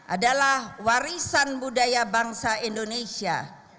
adalah warisan budaya bangsa indonesia